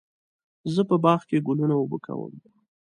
زه په باغ کې ګلونه اوبه کوم.